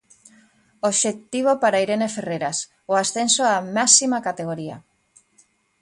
Obxectivo para Irene Ferreras, o ascenso á máxima categoría.